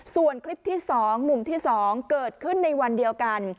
ส่วนคลิปที่๒มุมที่๒เกิดขึ้นในวันเดียวกัน